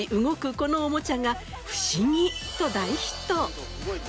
このおもちゃが不思議と大ヒット。